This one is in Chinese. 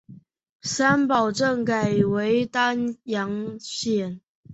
三堡镇改为丹阳县。